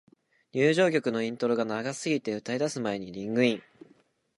入場曲のイントロが長すぎて、歌い出す前にリングイン